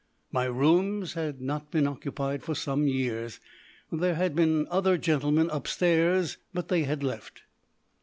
My rooms had not been occupied for some years. There had been other gentlemen upstairs, but they had left.